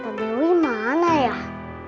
tante dewi di mana ah